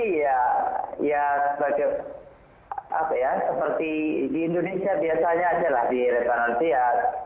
apa ya seperti di indonesia biasanya adalah di lebaran nanti ya